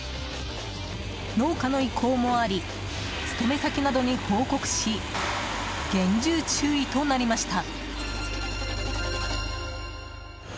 農家の意向もあり勤め先などに報告し厳重注意となりました。